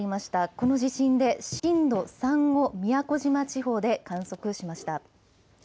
この地震で震度３を宮古島地方で観測しました。